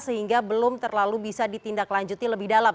sehingga belum terlalu bisa ditindaklanjuti lebih dalam